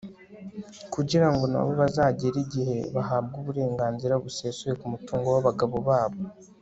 kugira ngo nabo bazagere igihe bahabwa uburenganzira busesuye ku mutungo w'abagabo babo